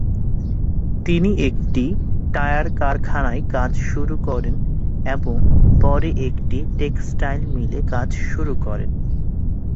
তিনি একটি টায়ার কারখানায় কাজ শুরু করেন এবং পরে একটি টেক্সটাইল মিলে কাজ শুরু করেন।